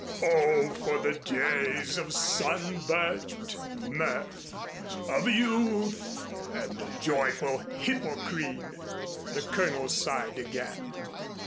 "Oh, for the days of sunburnt mirth of youth and the joyful Hippocrene!" the Colonel sighed again.